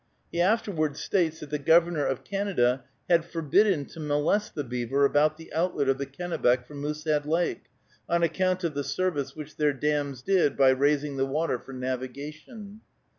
He afterward states that the Governor of Canada had forbidden to molest the beaver about the outlet of the Kennebec from Moosehead Lake, on account of the service which their dams did by raising the water for navigation.